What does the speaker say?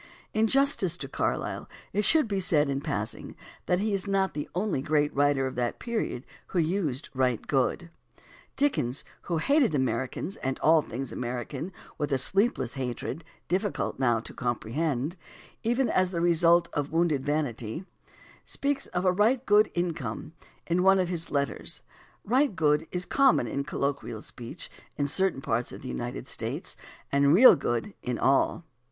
In justice to Carlyle it should be said, in passing, that he is not the only great writer of that period who used "right good." Dickens, who hated Americans and all things American with a sleepless hatred difficult now to com THE ORIGIN OF CERTAIN AMERICANISMS 249 prehend, even as the result of wounded vanity, speaks of a "right good income" in one of his letters (Forster's Life, Gadshill edition, vol. I, p. 481). "Right good" is common in colloquial speech in certain parts of the United States, and "real good" in all.